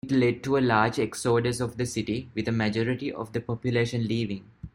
It led to a large exodus of the city, with a majority of the population leaving.